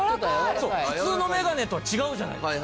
そう普通のメガネとは違うじゃないですか。